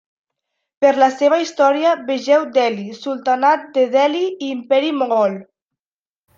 Per la seva història vegeu Delhi, Sultanat de Delhi i Imperi Mogol.